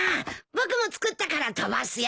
僕も作ったから飛ばすよ。